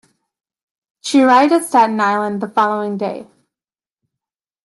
She arrived at Staten Island the following day.